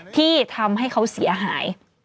ที่ทำให้เขาเสียหาย